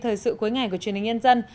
thời sự cuối ngày của truyền hình nhân dân